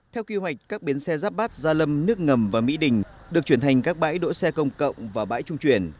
theo kế hoạch các bến xe giáp bát gia lâm nước ngầm và mỹ đình được chuyển thành các bãi đỗ xe công cộng và bãi trung chuyển